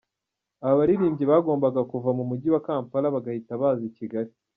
Aba baririmbyi bagombaga kuva mu Mujyi wa Kampala bagahita baza i Kigali.